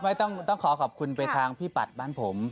ไม่ต้องขอขอบคุณไปทางพี่ปัดบ้านผม